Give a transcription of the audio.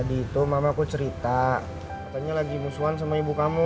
di itu mama aku cerita katanya lagi musuhan sama ibu kamu